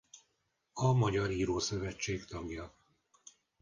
A Magyar Írószövetség tagja.